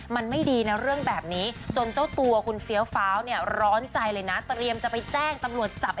มันไม่ดีนะเรื่องแบบนี้จนเจ้าตัวคุณเฟี้ยวฟ้าวเนี่ยร้อนใจเลยนะ